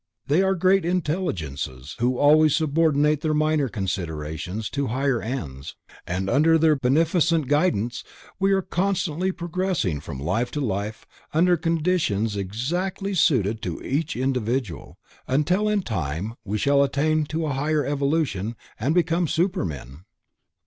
They are Great Intelligences who always subordinate minor considerations to higher ends, and under their beneficent guidance we are constantly progressing from life to life under conditions exactly suited to each individual, until in time we shall attain to a higher evolution and become Supermen.